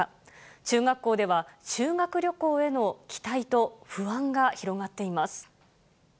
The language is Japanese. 中学校では修学旅行への期待と不安が広がっています。